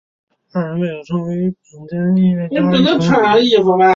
二人为了成为顶尖的音乐家而一同努力。